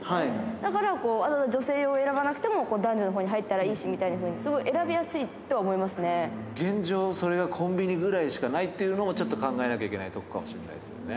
だからわざわざ女性用選ばなくても、男女のほうに入ったらいいしって、すごい選びやすいって思い現状、それがコンビニぐらいしかないっていうのもちょっと考えなきゃいけないところかもしれないですよね。